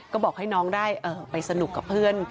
ก็บอกให้น้องได้ไปสนุกกับเพื่อน